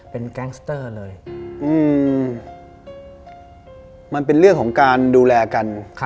เป็นแก๊งสเตอร์เลยมันเป็นเรื่องของการดูแลกัน